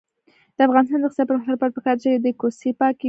د افغانستان د اقتصادي پرمختګ لپاره پکار ده چې کوڅې پاکې وي.